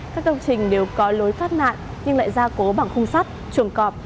các công trình đều có lối phát nạn nhưng lại gia cố bằng khung sắt trường cọp